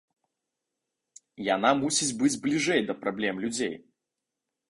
Яна мусіць быць бліжэй да праблем людзей.